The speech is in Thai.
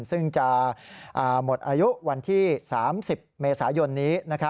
ซึ่งจะหมดอายุวันที่๓๐เมษายนนี้